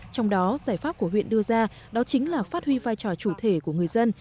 trong đó giải pháp của huyện đưa ra đó chính là phát huy vai trò chủ thể của người dân